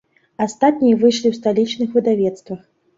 Астатнія выйшлі ў сталічных выдавецтвах.